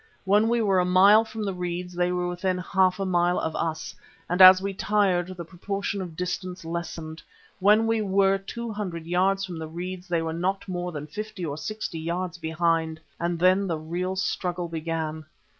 When we were a mile from the reeds they were within half a mile of us, and as we tired the proportion of distance lessened. When we were two hundred yards from the reeds they were not more than fifty or sixty yards behind, and then the real struggle began.